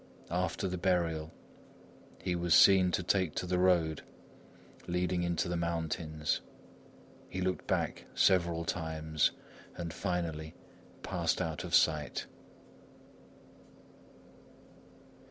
After the burial, he was seen to take the road leading into the mountains. He looked back several times, and finally passed out of sight.